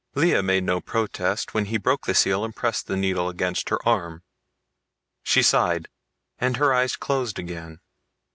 Lea made no protest when he broke the seal and pressed the needle against her arm. She sighed and her eyes closed again.